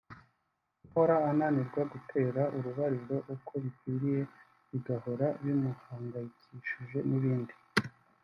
guhora ananirwa gutera urubariro uko bikwiye bigahora bimuhangayikishije n’ibindi